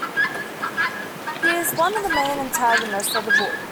He is one of the main antagonists of the book.